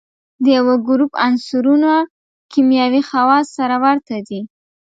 د یوه ګروپ عنصرونه کیمیاوي خواص سره ورته دي.